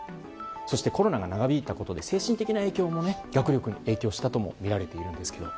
そして、コロナが長引いたことで精神的な影響も学力に影響したともみられているんです。